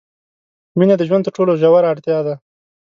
مینه د ژوند تر ټولو ژوره اړتیا ده.